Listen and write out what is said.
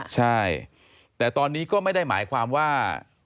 ใช่แต่ตอนนี้ก็ไม่ได้หมายความว่า